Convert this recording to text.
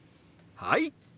はい！